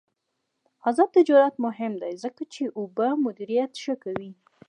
آزاد تجارت مهم دی ځکه چې اوبه مدیریت ښه کوي.